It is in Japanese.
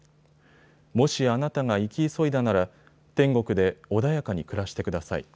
もしあなたが生き急いだなら、天国で穏やかに暮らしてください。